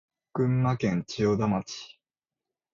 群馬県千代田町